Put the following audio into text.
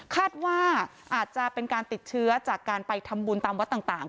คาดว่าอาจจะเป็นการติดเชื้อจากการไปทำบุญตามวัดต่าง